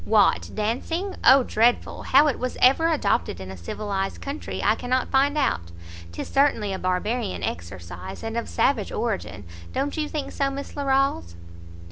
"What dancing? Oh dreadful! how it was ever adopted in a civilized country I cannot find out; 'tis certainly a Barbarian exercise, and of savage origin. Don't you think so, Miss Larolles?"